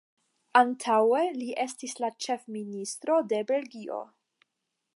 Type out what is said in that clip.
Antaŭe li estis la ĉefministro de Belgio.